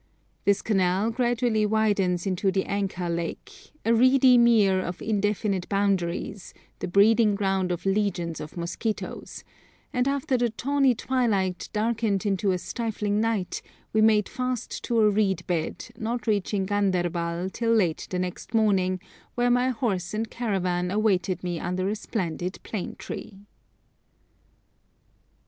This canal gradually widens into the Anchar Lake, a reedy mere of indefinite boundaries, the breeding ground of legions of mosquitos; and after the tawny twilight darkened into a stifling night we made fast to a reed bed, not reaching Ganderbal till late the next morning, where my horse and caravan awaited me under a splendid plane tree.